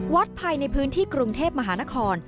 ภายในพื้นที่กรุงเทพมหานคร